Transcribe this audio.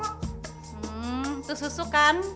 hmm itu susuk kan